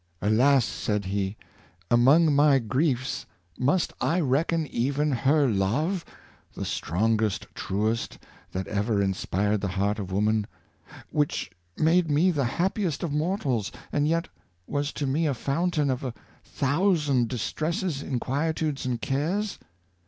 " Alas," said he, " among my griefs must I reckon even her love — the strongest, truest, that ever inspired the heart of woman — which made me the hap piest of mortals, and yet was to me a fountain of a thousand distresses, inquietudes and cares